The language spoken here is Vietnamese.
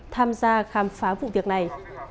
tham gia khám phá vụ việc này